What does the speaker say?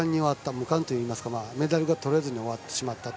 無冠というかメダルがとれずに終わってしまったと。